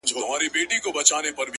کيسې د پروني ماښام د جنگ در اچوم؛